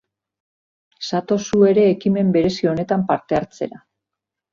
Zatoz zu ere ekimen berezi honetan parte hartzera!